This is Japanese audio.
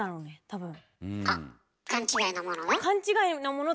あ勘違いのもの？